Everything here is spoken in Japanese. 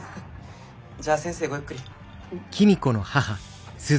じゃあ先生ごゆっくり。